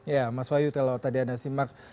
ya mas wahyu kalau tadi anda simak